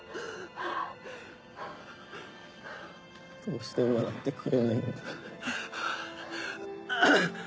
どうして笑ってくれないんだ。